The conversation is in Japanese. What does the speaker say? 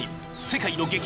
世界の激